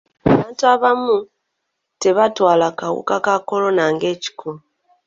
Abantu abamu tebatwala kawuka ka kolona ng'ekikulu.